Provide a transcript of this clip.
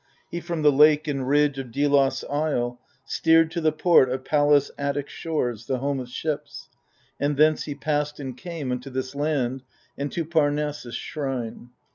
He from the lake and ridge of Delos' isle Steered to the port of Pallas' Attic shores. The home of ships ; and thence he passed and came Unto this land and to Parnassus' shrine.